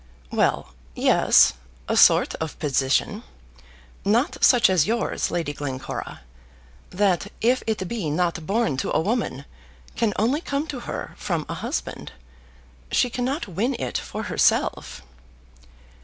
"Well, yes; a sort of position. Not such as yours, Lady Glencora. That, if it be not born to a woman, can only come to her from a husband. She cannot win it for herself."